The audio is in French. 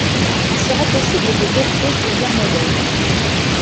Il sera possible de tester plusieurs modèles.